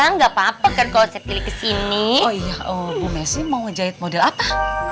nggak papa kan kalau setilih kesini oh iya oh masih mau jahit model apa